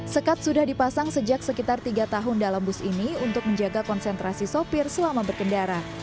sekat sudah dipasang sejak sekitar tiga tahun dalam bus ini untuk menjaga konsentrasi sopir selama berkendara